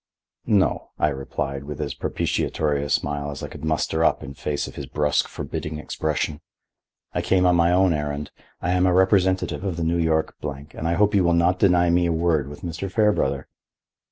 "No," I replied with as propitiatory a smile as I could muster up in face of his brusk forbidding expression. "I came on my own errand. I am a representative of the New York—and I hope you will not deny me a word with Mr. Fairbrother."